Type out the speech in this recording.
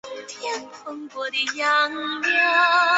卡塔赫纳和马萨龙是该区两个重要的沿海城镇。